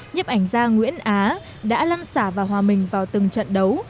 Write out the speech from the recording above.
nhiếp ảnh gia nguyễn á đã lăn xả và hòa mình vào từng trận đấu